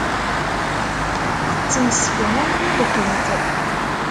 Tettemsefham yid-kent.